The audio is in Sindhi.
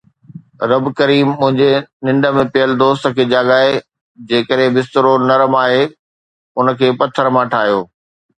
رب ڪريم منهنجي ننڊ ۾ پيل دوست کي جاڳائي. جيڪڏهن بسترو نرم آهي، ان کي پٿر مان ٺاهيو